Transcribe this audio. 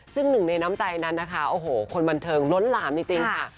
ซึ่งหนึ่งในน้ำใจนั้นนะคะโอ้โหคนบันเทิงล้นหลามจริงค่ะ